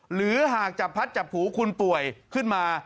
หรือหากจับพัดจับหูคุณป่วยขึ้นมา